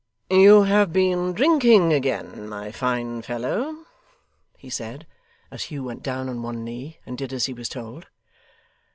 'You have been drinking again, my fine fellow,' he said, as Hugh went down on one knee, and did as he was told.